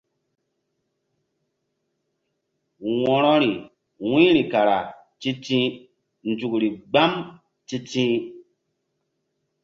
Wo̧rori wu̧yri kara ti̧ti̧h nzukri mgbam ti̧ti̧h.